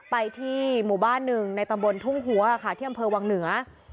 ไปที่หมู่บ้านหนึ่งในตำบลทุ่งหัวค่ะที่อำเภอวังเหนือ